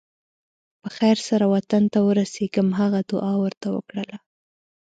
په خیر سره وطن ته ورسېږم هغه دعا ورته وکړله.